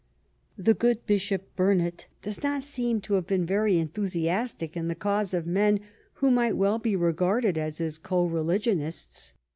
The good Bishop Burnet does not seem to have been very enthusiastic in the cause of men who mig^t well be regarded as his own co religionists.